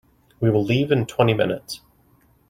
We will leave in twenty minutes.